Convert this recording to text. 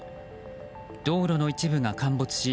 道路の一部が陥没し